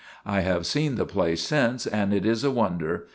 I have seen the play since, and it is a wonder.